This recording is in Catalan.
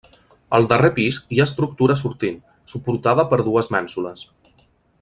Al darrer pis, hi ha estructura sortint, suportada per dues mènsules.